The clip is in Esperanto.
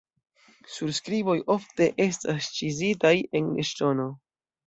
Surskriboj ofte estas ĉizitaj en ŝtono.